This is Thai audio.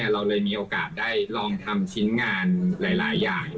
เราเลยมีโอกาสได้ลองทำชิ้นงานหลายอย่าง